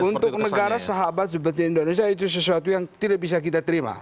untuk negara sahabat seperti indonesia itu sesuatu yang tidak bisa kita terima